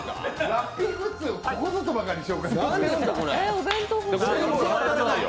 ラッピーグッズをここぞとばかりに紹介してるね。